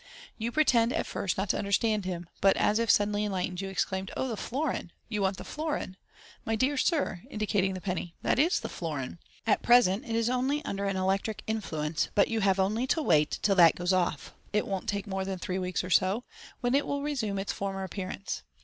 You pretend at first not to understand him, but, as if suddenly enlightened, you exclaim, " Oh, the florin, you want the florin ? My dear sir," indicating the penny, " that is the florin. At present it is under an electric influence, but you have only to wait till that goes off (it won't take more than three weeks or so), when it will resume its former appearance.